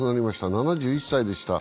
７１歳でした。